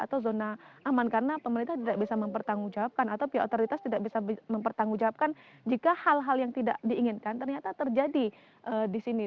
atau zona aman karena pemerintah tidak bisa mempertanggungjawabkan atau pihak otoritas tidak bisa mempertanggungjawabkan jika hal hal yang tidak diinginkan ternyata terjadi di sini